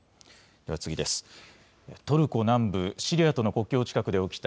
では次です。